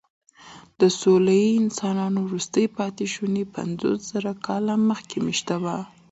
د سولويي انسانانو وروستي پاتېشوني پنځوسزره کاله مخکې مېشته وو.